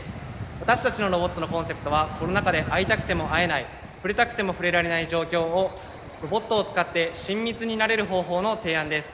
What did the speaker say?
私たちのロボットのコンセプトはコロナ禍で会いたくても会えない触れたくても触れられない状況をロボットを使って親密になれる方法の提案です。